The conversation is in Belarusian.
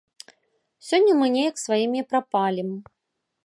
Сёння мы неяк сваімі прапалім.